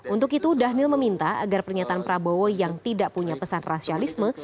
untuk itu dhanil meminta agar pernyataan prabowo yang tidak punya pesan rasialisme